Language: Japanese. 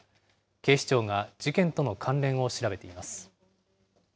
警視庁が事件との関連を調べています。